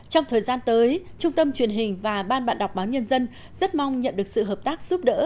trong thời gian tới trung tâm truyền hình và ban bạn đọc báo nhân dân rất mong nhận được sự hợp tác giúp đỡ